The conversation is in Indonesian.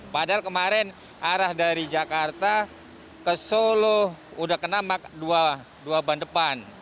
padahal kemarin arah dari jakarta ke solo sudah kena dua ban depan